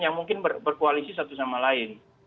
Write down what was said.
yang mungkin berkoalisi satu sama lain